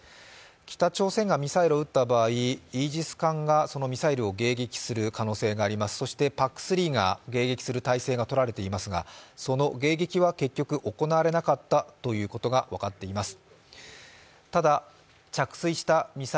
北朝鮮がミサイルを撃った場合、イージス艦がそのミサイルを迎撃する可能性があります、そしてＰＡＣ３が迎撃する態勢がとられていますが、その迎撃は結局行われなかったことがわかっています。